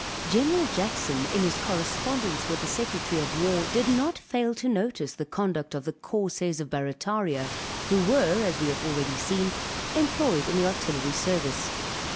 General Jackson, in his correspondence with the secretary of war did not fail to notice the conduct of the "Corsairs of Barrataria," who were, as we have already seen, employed in the artillery service.